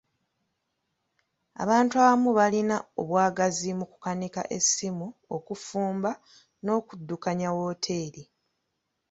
Abantu abamu baalina obwagazi mu kukanika essimu, okufumba, n'okuddukanya wooteeri.